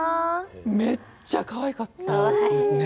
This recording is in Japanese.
めっちゃかわいかったですね。